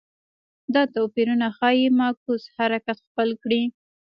دا توپیرونه ښايي معکوس حرکت خپل کړي